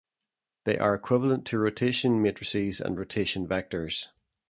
They are equivalent to rotation matrices and rotation vectors.